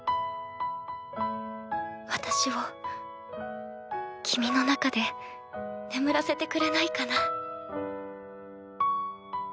私を君の中で眠らせてくれないかな。